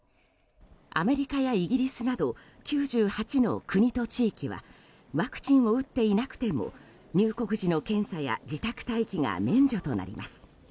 アメリカやイギリスなど９８の国と地域はワクチンを打っていなくても入国時の検査や自宅待機が免除となります。